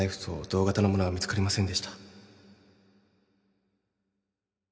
同型のものは見つかりませんでした